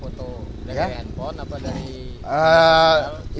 foto mereka handphone apa dari